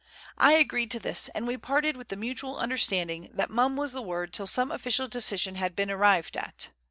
I agreed to this, and we parted with the mutual understanding that mum was the word till some official decision had been arrived at.